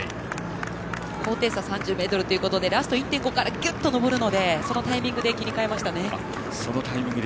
高低差３０ｍということでラスト１．５からギュッと上るのでそのタイミングで切り替えましたね。